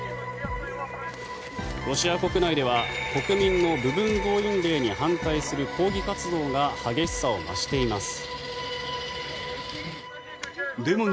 ロシア国内では国民の部分動員令に反対する抗議活動が激しさを増しています。